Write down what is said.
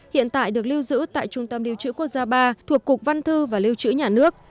hiện tại được lưu giữ tại trung tâm lưu trữ quốc gia ba thuộc cục văn thư và lưu trữ nhà nước